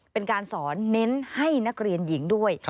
เป็นการสอนเน้นให้นักเรียนหญิงด้วย